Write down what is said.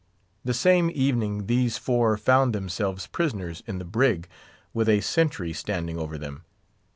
The same evening these four found themselves prisoners in the "brig," with a sentry standing over them.